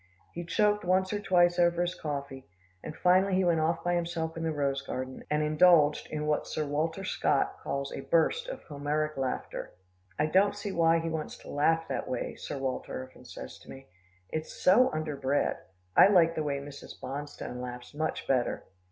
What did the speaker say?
He choked once or twice over his coffee, and finally he went off by himself in the rose garden, and indulged in what Sir Walter calls a burst of Homeric laughter. "I don't see why he wants to laugh that way," Sir Walter often says to me. "It's so underbred. I like the way Mrs. Bonstone laughs much better."